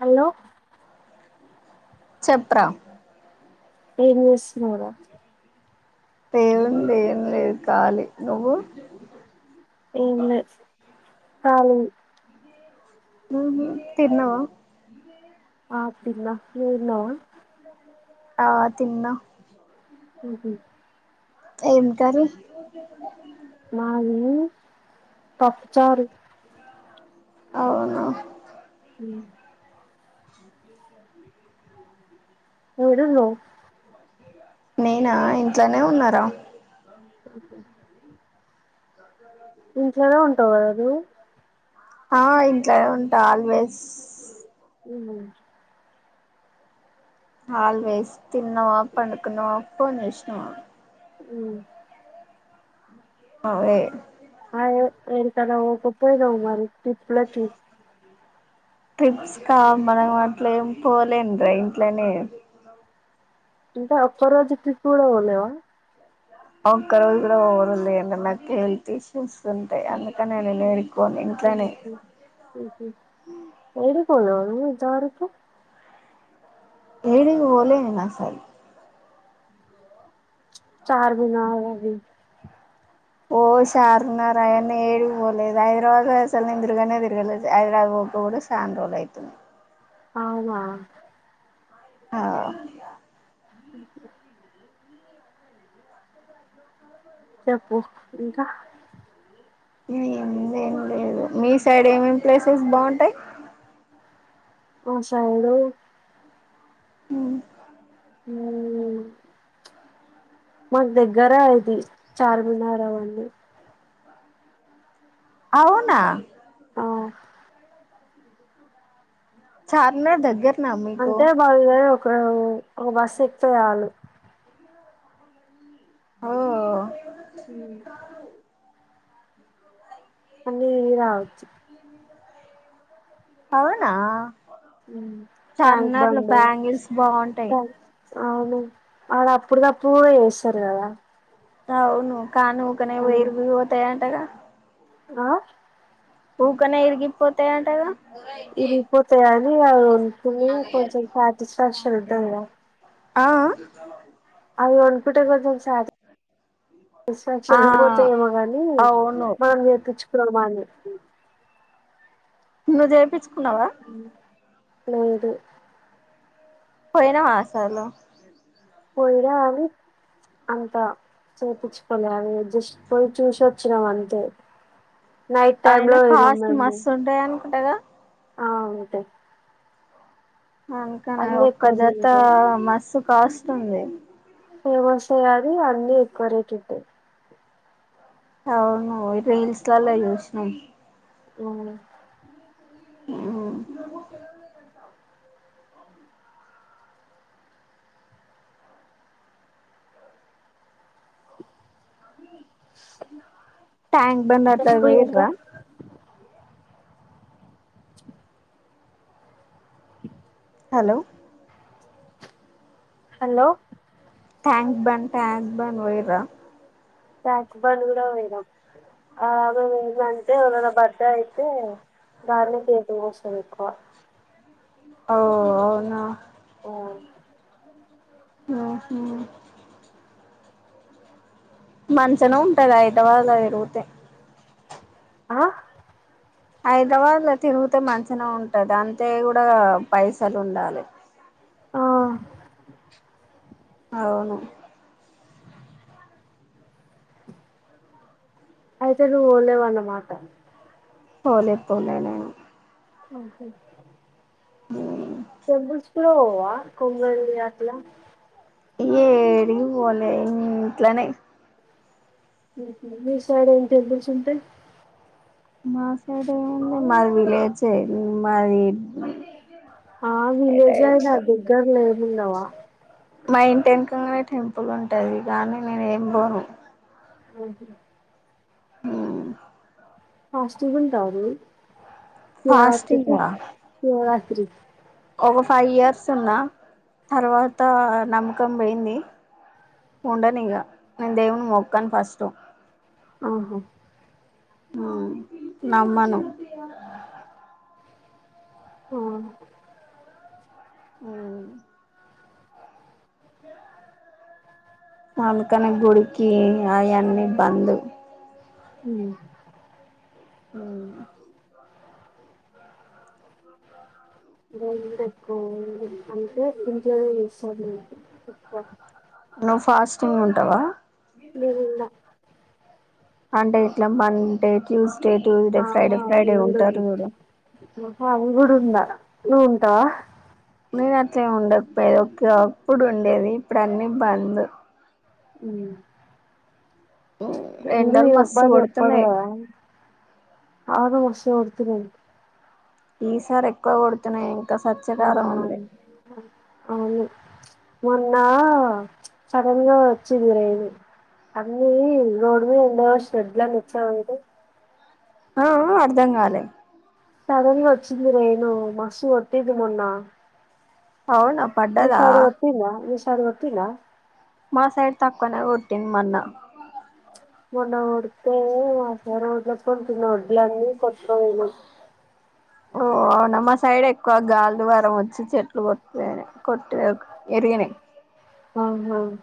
Hello చెప్రా ఏమి చేస్తున్నావ్ రా తేలింది ఏం లేదు ఖాళీ నువ్వు ఏం లే ఖాళీ నువ్వు తిన్నవ ఆ తిన్నా నువ్ తిన్నావా ఆ తిన్న ఊహూ ఏం కరి మాది పప్పు చారు అవును మ్ యాడున్నవ్ నేనా ఇంట్లోనే ఉన్నారా ఓకే ఇంట్లోనేే ఉంటావు కద నువ్ ఆ ఇంట్లనే ఉంటా ఆల్వేస్ ఉ ఆల్ వేస్ తిన్నవా పండుకున్నావా ఫోన్ జేష్ ఆ ఉ అదే అదే ఎడికన్నా పోకపోయినావు మరి ట్రిప్పులకి ట్రిప్స్ కా మనం అట్ల ఏం పోలేం రే ఇంట్లనే అంటే ఒక్కరోజు ట్రిప్ కూడా పోలేవా ఒక్క రోజు కూడా అవ్వదు లేండి నాకు హెల్త్ ఇష్యూస్ ఉంటాయి అందుకనే నేను యాడికి ఊహూ ఊహు యాడు పోలా నువ్ జారుకి ఏడికీ పోలే నేనసలు చార్ మినార్ అది ఓ సారున్నారాయన్న ఏడికి పోలేదు హైదరాబాద్ అసలు నిందిరుగానే తిరగలేదు హైదరాబాద్ పోక కూడా సానా రోజులైతుంది ఔనా ఆ [unintelligible] చెప్పు ఇంకా ఇగ ఏముంది ఏం లేదు మీ సైడ్ ఏమేమి ప్లేసెస్ బావుంటాయి ఓ సైడు మ్ మ్మ్ మాకు దగ్గర ఇది చార్మినార్ అవన్నీ అవునా ఔ చార్నా దగ్గర అంతే [unintelligible] కౌ ఒక బస్సు ఎక్తే చాలు ఓ ఓ హ్మ్ అన్నీ రావచ్చు అవునా హ్మ్ ట్యాంక్ చార్మినార్ లో బండ్ బ్యాంగిల్స్ బాగుంటాయి ట అవును ఆడ అప్పుడు గప్పుడు కూడా చేస్తారు కదా అవును కాను ఉకనే ఇరిగి పోతయ టగా ఆ ఊకనే ఇరిగిపోతాయ్ అంటగా ఇరిగిపోతయా ని [unintelligible] కానీ కొంచెం సాటిస్ఫ్యాక్షన్ ఉంటాదిగా అ ఆ అది ఒన్ పిట గ ఆ సాటిస్ఫాక్షన్ పోతేమో గాని అవును మనం చేపిచ్చుకున్నామ అని [inaudible] నువ్ జేపి కున్నవా లేదు పొయ్యినవా అసలు పోయినా అవి అంత చేపిచ్చుకోలే అవి జస్ట్ పోయి చూసొచ్చినం అంతే నైట్ టైమ్ లో పోయినం మేము కుంటగా ఆ ఉంటాయ్ అందుకనే ఒక్క ఎక్కువ రేట్ జత ఉంటాయి మస్సు కాస్ట్ ఉంది ఫేమస్ అయ్యారు ఇ అన్నీ ఎక్కువ రేటు ఉంటాయ్ అవును రీల్స్ లలో చూసినం హ్మ్ హ్మ్ ట్యాంక్ బండ్ అట్లా చెప్పు ఇంకా పొయ్యిర్రా hello hello tank bund tank bund పోయిర్రా ట్యాంక్ బండ్ కూడా పోయినం అలాగే వేందంటే ఎవరిది అన్న బడ్డే అయితే గానే కేకులు కోస్తాం ఎక్కువ ఓ అవునా ఓ ఉహు మంచనే ఉంటది హైదరాబాద్ల తిరుగుతే ఆ హైదరాబాద్ లో తిరుగితే మంచిగనే ఉంటది అంతే కూడా పైసలు ఉండాలి ఆ అవును అయితే రూల్ లేవాన్నమాట పోలేపోలే నేను టెంపుల్స్కు కూడా పోవ కొంరెల్లీ అట్లా ఏడికి పోలే ఇంట్లానే మీ సైడ్ ఏం టెంపుల్స్ ఉంటయి మా సైడ్ ఎండి మాది విలేజ్ చే మరి ఆ విలేజ్ అయిన చెప్తారు దగ్గరలో ఏం ఉండవా మా ఇంటి వెనకాలే నే టెంపుల్ ఉంటది కానీ నేను ఏం పోను హమ్ ఫాస్టింగ్ ఉంటావా నువ్వు ఫాస్టింగ్ శివరాత్రికి శివరాత్రి ఒక ఫైవ్ ఇయర్స్ ఉన్న తర్వాత నమ్మకం పోయింది ఉండనీ ఇగా నేను దేవుని మొక్కను ఫస్ట్ ఉహు హమ్ నమ్మను ఊ అందుకనే గుడికి అయన్నీ బందు ఈరోజు ఎండ ఎక్కువ ఉంది అందుకే ఇంట్లోనే చేస్తుంది ఉప్ప నువు ఫాస్టింగ్ ఉంటావా నేను ఉండా అంటే ఇట్లమ్మంటే చ్యూస్ ఆహా అవి గూడ ఆహా అవి కూడా ఉండా ఉంటా నేను అట్లెం ఉండకపోయేది ఒక అప్పుడు ఉండేది ఇప్పుడు అన్ని బంద్ ఊ ఎండలు మస్తు కొడుతున్నాయి [unintelligible] అవును మస్తు కొడుతూనయి ఈసారీ ఎక్కువ కొడుతున్నయి ఆ అవును మొన్నా సడన్ గా వచ్చిది రేను అన్నీ రోడ్ మీద ఎండో షెడ్ లన్ని నిచ్చాంవెంటి. ఆ ఆ అర్ధం గాలే సడెన్ గా ఒచ్చింది రేణు మస్తు కొట్టింది మొన్నా అవునా పడ్డదా అరు గొట్టిందా మా సైడ్ తక్కువనే కొట్టింది మన్నా మొన్న గొడ్తే ఆసారోడ్లో కొట్టిన వడ్లన్నీ కొట్గాపోయినాయ్. ఓ అవునా మా సైడ్ ఎక్కువ గాలి ద్వారం వచ్చి చెట్లు కొట్పెనాయ్ కొట్ట ఎరిగినయ్. అవునవును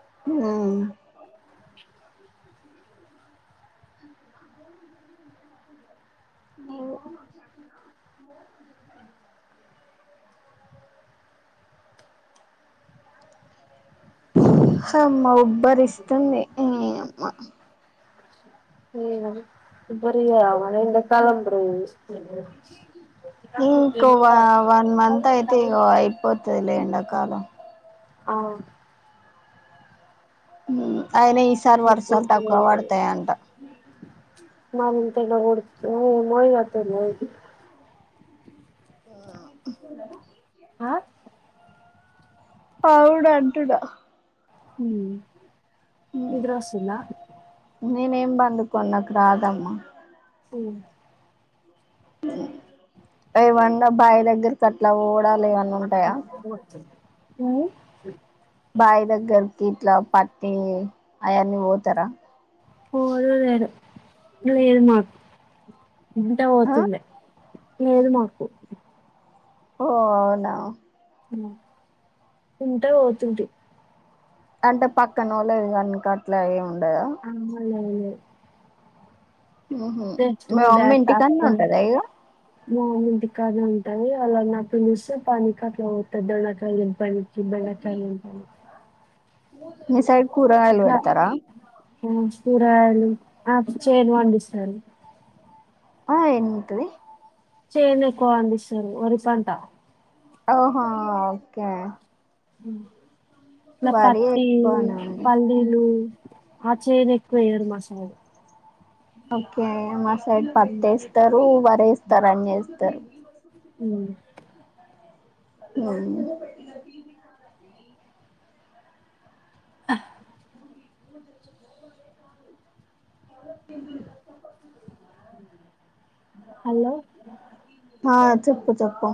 ఆ నీవు హమ్మా ఉబ్బరిస్తుంది నీయమ్మా ఎంత కాలం ప్రేమిస్ ఇంకా వ వన్ మంత్ అయితే ఇంగ అయిపోతదిలే ఎం డకాలం అవున్ హ్మ్ అయిన ఈసారి వర్సాలు తక్కువ సరిపోట్లేదు. పడతాయంట. మరింత ఓడు [inaudible] ఆ ఆ పావుడ్ అంటుడా హ్మ్ నిదరొస్తుందా నేనేం బండుకోన్ నాకు రాదమ్మా హ్మ్ ఏవన్నా బాయ్ దగ్గర కెల్ ఇట్లా పోవుడల్ ఏవన్న ఉంటాయా హ్మ్ బాయి దగ్గరకి ఇట్లా పట్టి అయన్నీ పోతరా ఓ అదిరు అ ఏదు మా ఇంట ఆ పోతులే లేదు మాకు ఓ అవునా ఉంటా పోతుంటీ అంటే పక్కన నోళ్ళది కనక అట్ల ఏమ్ ఉం అమ్మ లేలేద్ ఉహు [inaudible] మా మీ మమ్మీ ఇంటికాన్నే ఉంటదా ఇగ అమ్మ ఇంటికాడ్నె ఉం తని వాలన పిలిస్సే పని కట్లా పోతా దొండకాయల పని చిద్ధంగా చనుపని నిసార్ కూర ఎల్ వెడతారా కూరాయలు ఆప్ చేను వండిస్తరు ఆ ఏం ఉత్తది చేన్ ఎక్కువ వండిస్తరు వరి పంట ఓహా ఓకే అ నా వరి పత్తి ఎక్కువనా అండి. పల్లిలు ఆ చేను ఎక్కువ ఎయ్యరు మా సైడు ఓకే మా సైడ్ పత్తి వేస్తరు వర్ వేస్తరు అన్ని వేస్తరు హ్మ్ హ్మ్ హ్హ నువ్ జదువు పో ఎవ లొచ్చి తెంపిల్లు వస్సకొట్లు తెంపినా హలో చెప్పు చెప్పు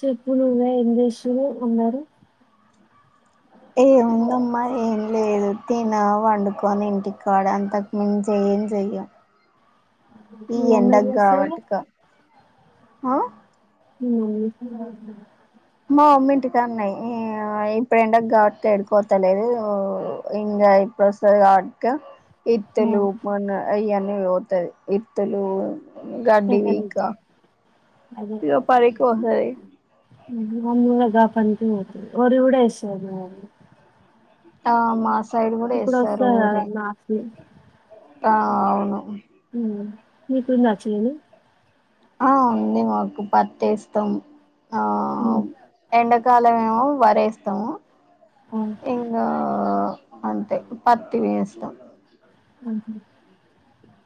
చెప్పు నువ్వే ఏం చేస్స్ తూ ఉన్నారు ఏముందమ్మా ఏం లేదు తిన వండుకొని ఇంటి క్కడ అంతకు మించి ఏం చెయ్య ఈ మీ మమ్మీ ఏం చేస్తది ఎండకిగావటిక ఆ మీ మమ్మీ కూరగాయలు దగర మా అమ్మ ఇంటికాన్నే ఏవై ఎండకిగావట్టి ఎడ్ పోతలేదు ఇంగ ఇప్పుడు వస్పది కావ క ఆ ఇత్తలు మొన్న అయ్యన్ ఇగ పోతాది ఇత్తలు గడ్డి సెకండ్ వీకా ఇగ పనికి వోతాది మూములుగా పనికి వోతది వడి కూడా వేస్సాది మా అమ్మ ఆమ ఇప్పుడు వస్తారు నాస్లు ఆ అవును మీకు నచ్చలే ఆ ఉంది మాకు పతే ఇస్తాం అ ఎంండకాల ఏేమో వరేస్తాము ఆ ఇకా అంతే పత్తి వ ఇస్తాం అక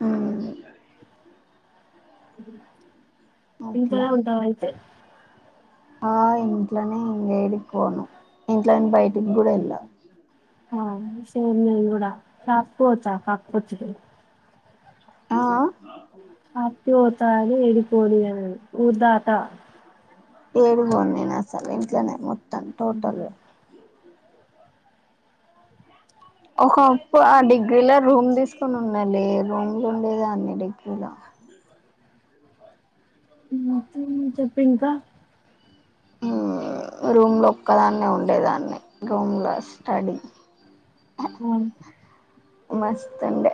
అవు గు ఇంతర అట్లా ఉంటాయితే ఆ ఇంట్లనే ఇంగేడి పోను ఇంట్లోని బయటికి కూడా వెళ్ళాం ఆ సేమ్ నేను కూడా కాకపోవోచా కాకపోవచ్చు ఆ ఆ పోత అని ఏడికి పోనియాలేదు ఊరూ దాట ఏమో నే నేన్ అసలు ఇంట్లోనే లేను తను తోటలే ఒక్కప్పుడు ఆ డిగ్రీలో రూమ్ తీసుకొని ఉన్నానే రూమ్లు ఉండేదని డిగ్రీల ఉహం చెప్పు ఇంకా ఉమ్ రూమ్ల ఒక్కదాన్నే ఉండేదని రూమ్ల స్టడీ అవు మాస్తుండే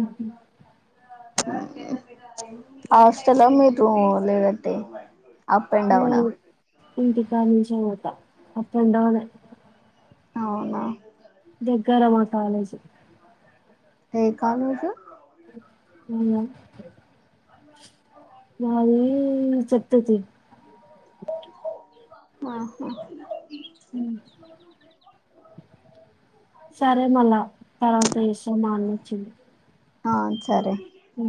ఉహూ హాస్టలా మీరు లేదంటే అప్ అండ్ డౌనా ఇంటికడినుంచే పోత అప్ అండ్ డౌన్ఎ అవునా దగ్గర మా కాలేజీ ఎ కాలేజు అవునా మాది చెప్తతియ్ ఆహా హ సరే మళ్ళా తర్వాత ఇసా మానిచ్చింది ఆ సరే హ